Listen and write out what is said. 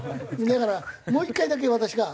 だからもう一回だけ私が。